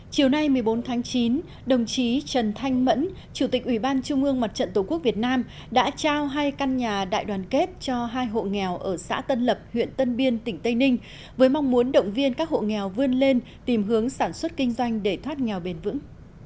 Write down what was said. chiều nay một mươi bốn tháng chín đồng chí trần thanh mẫn chủ tịch ủy ban trung ương mặt trận tổ quốc việt nam đã trao hai căn nhà đại đoàn kết cho hai hộ nghèo ở xã tân lập huyện tân biên tỉnh tây ninh với mong muốn động viên các hộ nghèo vươn lên tìm hướng sản xuất kinh doanh để thoát nghèo bền vững